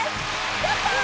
やったー！